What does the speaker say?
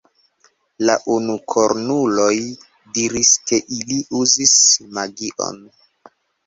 La unukornuloj diris, ke ili uzis magion.